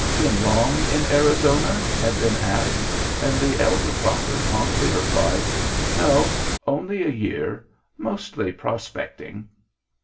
"Been long in Arizona?" had been asked, and the elder Crocker promptly replied, "No, only a year, mostly prospecting."